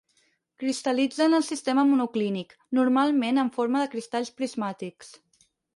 Cristal·litza en el sistema monoclínic, normalment en forma de cristalls prismàtics.